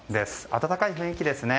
温かい雰囲気ですね。